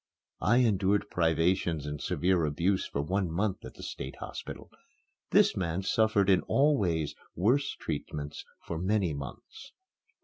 I endured privations and severe abuse for one month at the State Hospital. This man suffered in all ways worse treatment for many months.